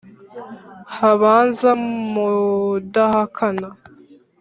habanza mudahakana